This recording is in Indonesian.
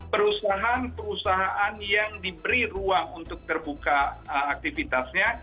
perusahaan perusahaan yang diberi ruang untuk terbuka aktivitasnya